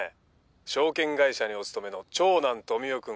証券会社にお勤めの長男富生君。